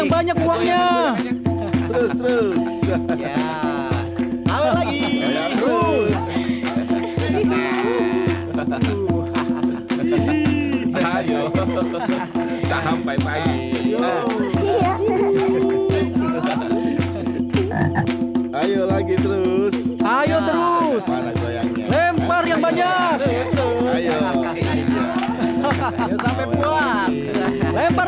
banyak uangnya terus terus lagi terus ayo lagi terus ayo terus lempar yang banyak hahaha lempar